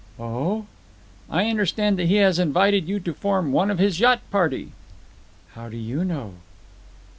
"Oh?" "I understand that he has invited you to form one of his yacht party." "How did you know?"